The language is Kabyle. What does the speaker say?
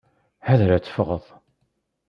Ḥader ad tefɣeḍ!